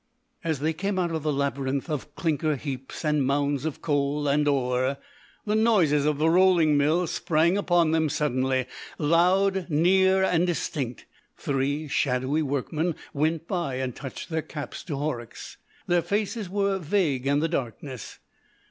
As they came out of the labyrinth of clinker heaps and mounds of coal and ore, the noises of the rolling mill sprang upon them suddenly, loud, near, and distinct. Three shadowy workmen went by and touched their caps to Horrocks. Their faces were vague in the darkness.